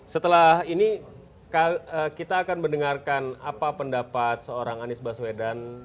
setelah ini kita akan mendengarkan apa pendapat seorang anies baswedan